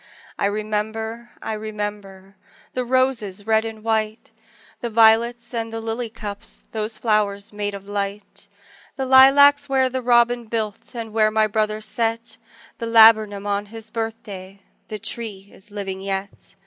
I remember, I remember The roses red and white, The violets and the lily cups Those flowers made of light! The lilacs where the robin built, And where my brother set The laburnum on his birthday, The tree is living yet!